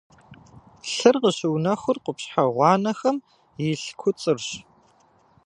Лъыр къыщыунэхур къупщхьэ гъуанэхэм илъ куцӏырщ.